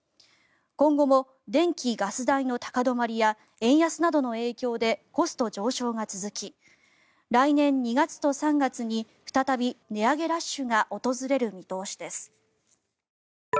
今後も電気・ガス代の高止まりや円安などの影響でコスト上昇が続き来年２月と３月に再び値上げラッシュが訪れる見通しです。